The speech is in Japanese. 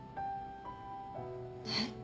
えっ？